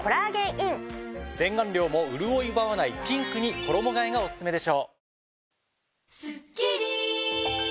洗顔料もうるおい奪わないピンクに衣替えがオススメでしょう。